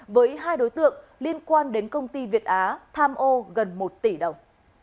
với hai đối tượng liên quan đến công ty việt á tham ô gần một tỷ đồng